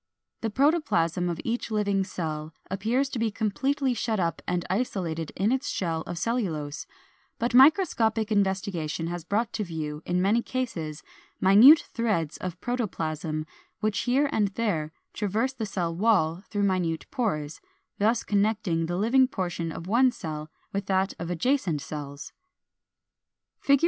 The protoplasm of each living cell appears to be completely shut up and isolated in its shell of cellulose; but microscopic investigation has brought to view, in many cases, minute threads of protoplasm which here and there traverse the cell wall through minute pores, thus connecting the living portion of one cell with that of adjacent cells. (See Fig.